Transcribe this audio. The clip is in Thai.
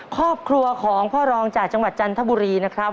ครอบครัวของพ่อรองจากจังหวัดจันทบุรีนะครับ